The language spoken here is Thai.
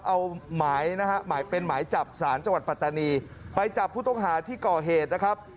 เอาหมายนะฮะหมายเป็นหมายจับสารจังหวัดปัตตานีไปจับผู้ต้องหาที่ก่อเหตุนะครับ